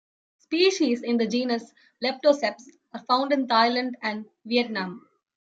Species in the genus "Leptoseps" are found in Thailand and Vietnam.